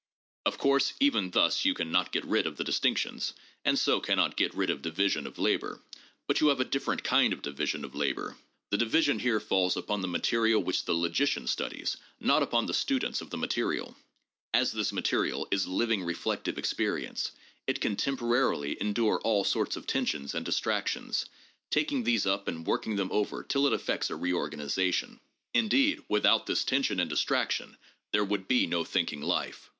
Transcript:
Of course, even thus, you can not get rid of the distinctions, and so can not get rid of division of labor; but you have a different kind of division of labor. The division here falls upon the material which the logician studies, not upon the students of the material. As this material is living reflective experience, it can temporarily endure all sorts of tensions and distractions, taking these up and working them over till it effects a reorganization. Indeed, without this tension and distraction, there would be no thinking life.